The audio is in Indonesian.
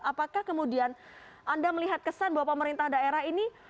apakah kemudian anda melihat kesan bahwa pemerintah daerah ini